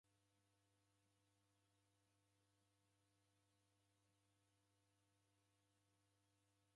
W'andu watini w'azerelo w'izighane nicha imbiri eandikwa kazi kimonu.